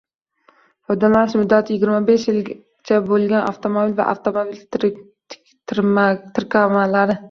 Foydalanish muddati yigirma besh yilgacha bo‘lgan avtomobil va avtomobil tirkamalari